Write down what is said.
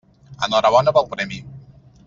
Enhorabona pel premi.